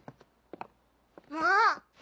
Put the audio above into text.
もう！